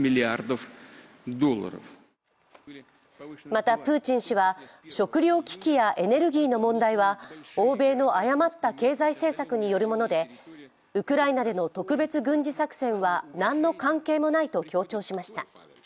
また、プーチン氏は食糧危機やエネルギーの問題は欧米の誤った経済政策によるもので、ウクライナでの特別軍事作戦は何の関係もないと強調しました。